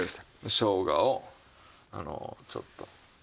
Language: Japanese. しょうがをちょっと。